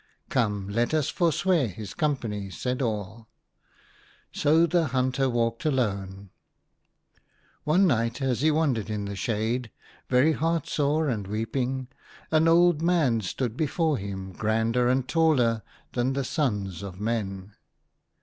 " Come, let us forswear his company," said all. So the hunter walked alone. One night, as he wandered in the shade, very heart sore and weeping, an old man stood before him, grander and taller than the sons of men.